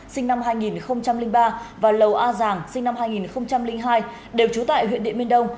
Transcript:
sinh năm hai nghìn ba và lầu a giảng sinh năm hai nghìn hai đều chú tại huyện điện biên đông